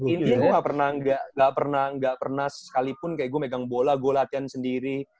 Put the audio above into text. ini gue gak pernah gak pernah sekalipun kayak gue megang bola gue latihan sendiri